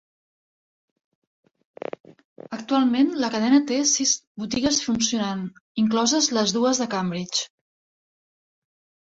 Actualment la cadena té sis botigues funcionant, incloses les dues de Cambridge.